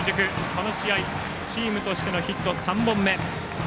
この試合チームとしてのヒット３本目。